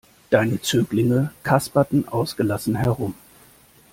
Deine Zöglinge kasperten ausgelassen herum.